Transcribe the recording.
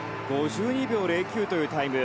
５２秒０９というタイム。